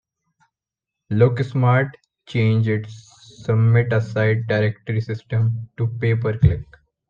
LookSmart changed its "submit a site" directory system to pay-per-click.